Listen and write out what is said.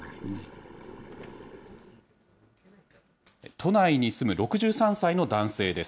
都内に住む６３歳の男性です。